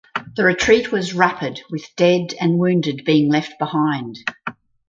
The retreat was rapid with dead and wounded being left behind.